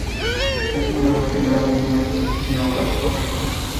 Es uno de los primeros monumentos neoclásicos de Francia.